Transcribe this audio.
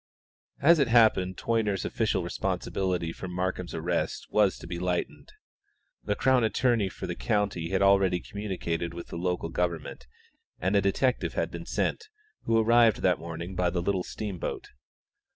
As it happened Toyner's official responsibility for Markham's arrest was to be lightened. The Crown Attorney for the county had already communicated with the local government, and a detective had been sent, who arrived that morning by the little steamboat.